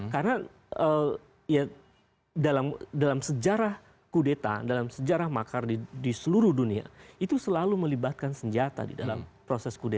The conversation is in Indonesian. karena dalam sejarah kudeta dalam sejarah makar di seluruh dunia itu selalu melibatkan senjata di dalam proses kudeta itu